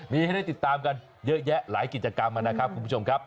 มีให้ได้ติดตามกันเยอะแยะหลายกิจกรรมนะครับคุณผู้ชมครับ